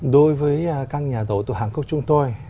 đối với các nhà đầu tư hàn quốc chúng tôi